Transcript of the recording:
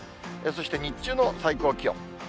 そして日中の最高気温。